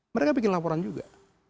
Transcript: mereka bikin laporan juga